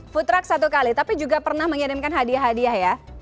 food truck satu kali tapi juga pernah mengirimkan hadiah hadiah ya